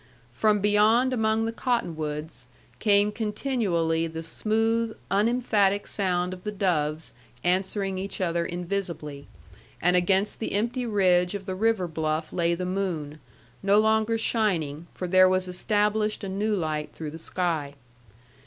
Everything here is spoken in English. From beyond among the cottonwoods, came continually the smooth unemphatic sound of the doves answering each other invisibly; and against the empty ridge of the river bluff lay the moon, no longer shining, for there was established a new light through the sky.